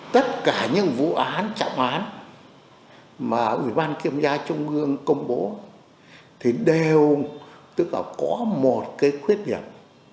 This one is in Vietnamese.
tất cả những vụ án trạng án mà ủy ban kiêm gia trung ương công bố thì đều tức là có một cái khuyết nhận